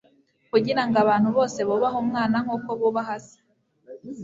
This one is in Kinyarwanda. kugira ngo abantu bose bubahe Umwana, nk’uko bubaha Se.